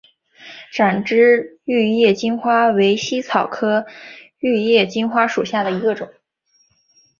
展枝玉叶金花为茜草科玉叶金花属下的一个种。